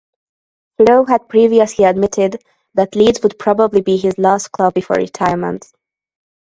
Flo had previously admitted that Leeds would probably be his last club before retirement.